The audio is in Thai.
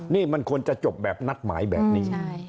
นี่มันควรจะจบแบบนัดหมายแบบนี้